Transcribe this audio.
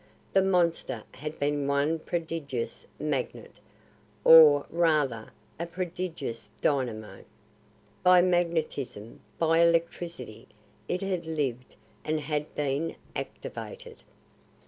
The Monster had been one prodigious magnet or, rather, a prodigious dynamo. By magnetism, by electricity, it had lived and had been activated.